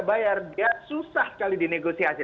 bayar dia susah sekali di negosiasi